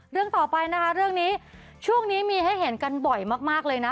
เรื่องต่อไปนะคะเรื่องนี้ช่วงนี้มีให้เห็นกันบ่อยมากเลยนะ